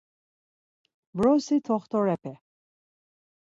Vrosi t̆oxt̆orepe.